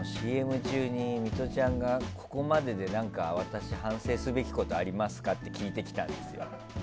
ＣＭ中にミトちゃんがここまでに何か私、反省すべきことありますかって聞いてきたんですよ。